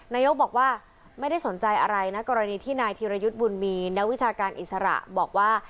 นายกบอกว่าไม่ได้สนใจอะไรนะกรณีที่นายธีรยุทธ์บุญมีนักวิชาการอิสระบอกว่า